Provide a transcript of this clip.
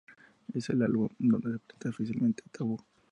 Este es el álbum donde se presenta oficialmente a Taboo.